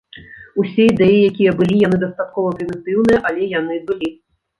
Усе ідэі, якія былі, яны дастаткова прымітыўныя, але яны былі.